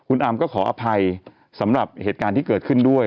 คุณอามก็ขออภัยสำหรับเหตุการณ์ที่เกิดขึ้นด้วย